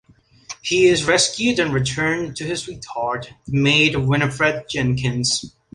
He is rescued and returned to his sweetheart, the maid Winifred Jenkins.